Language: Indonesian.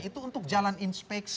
itu untuk jalan inspeksi